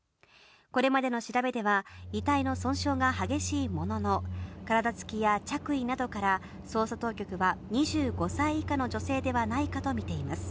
これまでの調べでは、遺体の損傷が激しいものの、体つきや着衣などから、捜査当局は２５歳以下の女性ではないかと見ています。